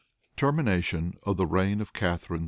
TERMINATION OF THE REIGN OF CATHARINE II.